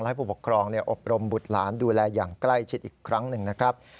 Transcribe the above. ให้ผู้ปกครองอบรมบุตรหลานดูแลอย่างใกล้ชิดอีกครั้งหนึ่งนะครับ